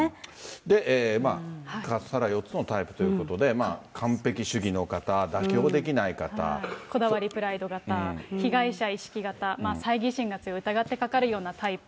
で、まあ、カスハラ、４つのタイプということで、完璧主義のこだわりプライド型、被害者意識型、さいぎ心が強い疑ってかかるようなタイプ。